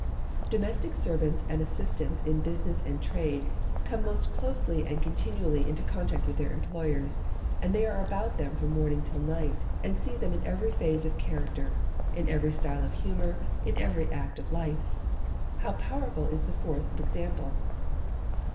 Domestic servants, and assistants in business and trade, come most closely and continually into contact with their employers; and they are about them from morning till night, and see them in every phase of character, in every style of humour, in every act of life. How powerful is the force of example!